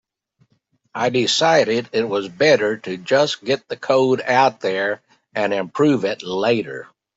I decided it was better to just get the code out there and improve it later.